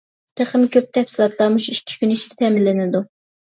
تېخىمۇ كۆپ تەپسىلاتلار مۇشۇ ئىككى كۈن ئىچىدە تەمىنلىنىدۇ.